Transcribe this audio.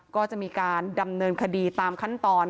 ก็จะมีการดำเนินคดีตามขั้นตอน